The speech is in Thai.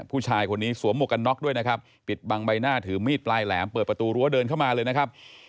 ผู้ชายคนนี้สวมหมวกกันน็อกด้วยนะครับปิดบังใบหน้าถือมีดปลายแหลมเปิดประตูรั้วเดินเข้ามาเลยนะครับ